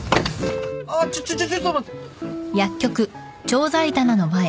あちょちょちょっと待って。